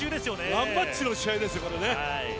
ワンマッチの試合ですよ。